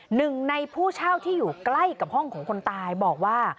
หนึ่งในผู้เช่าที่อยู่ใกล้กับห้องของคนตายบอกว่า